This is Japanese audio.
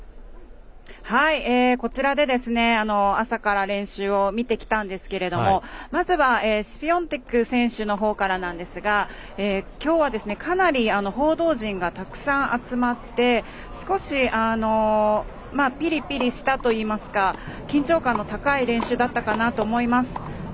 こちらで朝から練習を見てきたんですけれどもまずはシフィオンテク選手の方からなんですが今日は、かなり報道陣がたくさん集まって少しピリピリしたといいますか緊張感の高い練習だったかなと思います。